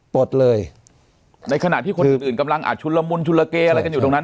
ดเลยในขณะที่คนอื่นกำลังอาจชุนละมุนชุลเกอะไรกันอยู่ตรงนั้น